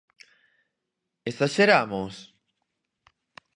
Esaxeramos?